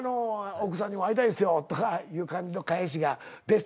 奥さんにも会いたいですよ」とかいう感じの返しがベストみたいやよ。